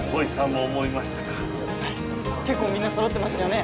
はい結構みんなそろってましたよね